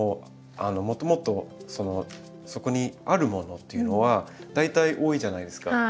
もともとそこにあるものというのは大体多いじゃないですか。